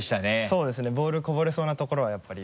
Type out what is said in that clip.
そうですねボールこぼれそうなところはやっぱり。